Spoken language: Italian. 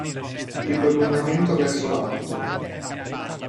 Il prolungamento verso l'alto.